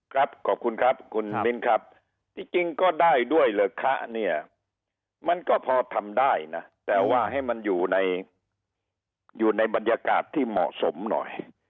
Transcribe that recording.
ครับขอบคุณครับคุณมิ้นครับที่จริงก็ได้ด้วยเหรอคะเนี่ยมันก็พอทำได้นะแต่ว่าให้มันอยู่ในอยู่ในบรรยากาศที่เหมาะสมหน่อย